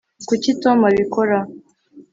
kuki tom abikora